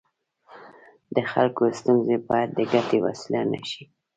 د خلکو ستونزې باید د ګټې وسیله نه شي.